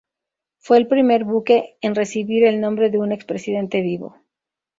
Fue el primer buque en recibir el nombre de un expresidente vivo.